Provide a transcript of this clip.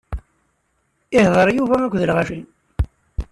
Ihḍeṛ Yuba akked lɣaci.